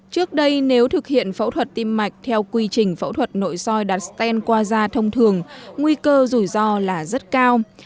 trước đây nếu thực hiện phẫu thuật tim mạch theo quy trình phẫu thuật nội soi đặt sten qua da thông thường nguy cơ rủi ro là rất cao